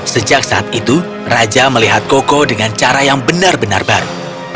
sejak saat itu raja melihat koko dengan cara yang benar benar baru